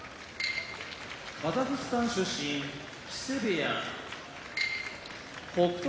カザフスタン出身木瀬部屋北勝